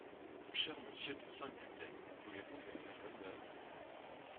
Mon cher monsieur de Saint-Gluten, voulez-vous me faire l’honneur…